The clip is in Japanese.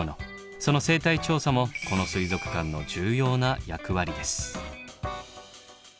その生態調査もこの水族館の重要な役割です。